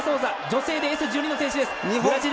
女性でＳ１２の選手です。